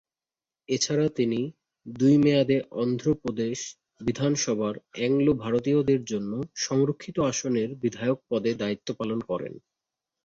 এছাড়া, তিনি দুই মেয়াদে অন্ধ্র প্রদেশ বিধানসভার অ্যাংলো-ভারতীয়দের জন্য সংরক্ষিত আসনের বিধায়ক পদে দায়িত্ব পালন করেন।